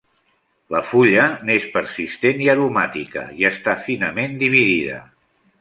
La fulla n'és persistent i aromàtica i està finament dividida.